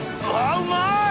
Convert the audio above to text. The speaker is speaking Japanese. うまい！